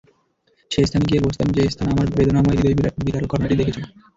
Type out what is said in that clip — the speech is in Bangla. সে স্থানে গিয়ে বসতাম যে স্থান আমার বেদনাময় হৃদয়বিদারক ঘটনাটি দেখেছে।